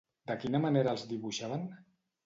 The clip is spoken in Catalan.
De quina manera els dibuixaven?